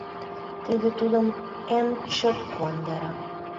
Тиде Тудым эн чот куандара.